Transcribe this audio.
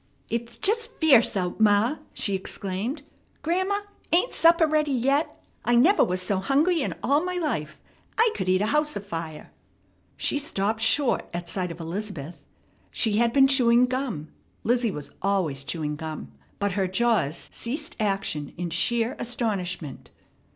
"It's just fierce out, ma!" she exclaimed. "Grandma, ain't supper ready yet? I never was so hungry in all my life. I could eat a house afire." She stopped short at sight of Elizabeth. She had been chewing gum Lizzie was always chewing gum but her jaws ceased action in sheer astonishment.